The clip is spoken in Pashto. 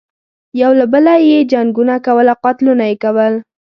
یو له بله یې جنګونه کول او قتلونه یې کول.